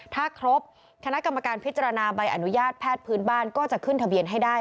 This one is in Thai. ถ้าครบคณะกรรมการพิจารณาใบอนุญาตแพทย์พื้นบ้านก็จะขึ้นทะเบียนให้ได้